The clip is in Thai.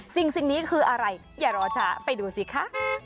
สิ่งนี้คืออะไรอย่ารอช้าไปดูสิคะ